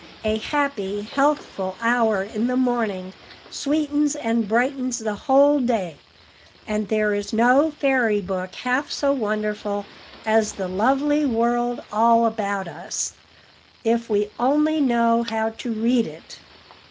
A happy, healthful hour in the morning sweetens and brightens the whole day; and there is no fairy book half so wonderful as the lovely world all about us, if we only know how to read it."